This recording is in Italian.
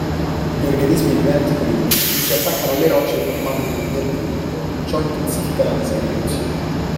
Gli organismi viventi come i muschi si attaccano alle rocce formando un ambiente umido ciò intensifica la disgregazione.